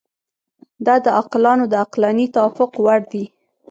دا د عاقلانو د عقلاني توافق وړ دي.